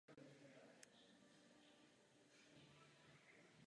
Oranžový koberec byl připraven před Galen Center na Jefferson Boulevard.